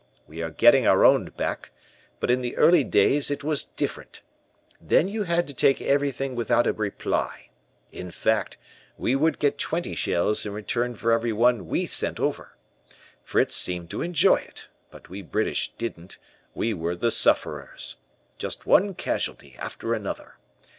We are getting our own back, but in the early days it was different. Then you had to take everything without a reply. In fact, we would get twenty shells in return for every one we sent over. Fritz seemed to enjoy it, but we British didn't, we were the sufferers. Just one casualty after another.